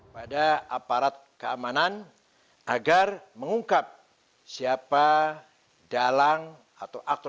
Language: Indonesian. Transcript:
pada aparat keamanan agar mengungkap siapa dalang atau aktor